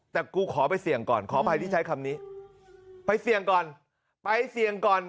แต่กูขอไปเสี่ยงก่อนขออภัยที่ใช้คำนี้ไปเสี่ยงก่อนไปเสี่ยงก่อน